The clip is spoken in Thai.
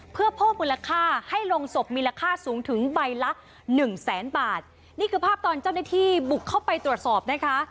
เพื่อเพิ่มมูลค่าให้ลงศพมีมูลค่าสูงถึงใบละหนึ่งแสนบาทนี่คือภาพตอนเจ้าหน้าที่บุกเข้าไปตรวจสอบนะคะ